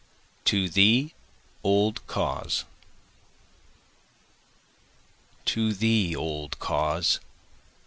To Thee Old Cause To thee old cause!